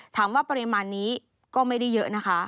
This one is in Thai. ถามว่าปริมาณนี้ก็ไม่ได้เยอะนะคะ